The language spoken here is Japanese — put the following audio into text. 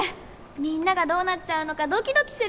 みんながどうなっちゃうのかドキドキする！